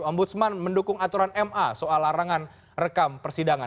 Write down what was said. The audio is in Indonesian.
ombudsman mendukung aturan ma soal larangan rekam persidangan